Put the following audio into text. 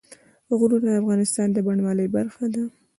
غرونه د افغانستان د بڼوالۍ برخه ده.